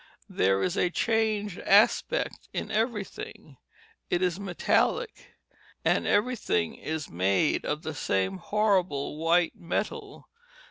There is a changed aspect in everything; it is metallic, and everything is made of the same horrible white metal.